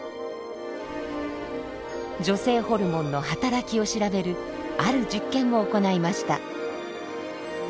女性ホルモンの働きを調べるある実験を行いました。